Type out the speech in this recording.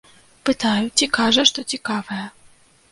Пытаю, ці кажа, што цікавае?